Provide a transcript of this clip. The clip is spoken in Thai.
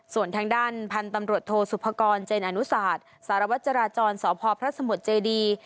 ส่วนทางด้านพันธุ์ตำรวจโทสุภกรเจนอนุศาสตร์สารวัตรจราจรสพพระสมุทรเจดี